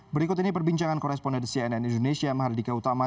berikut ini perbincangan korespondensi ann indonesia mahardika utama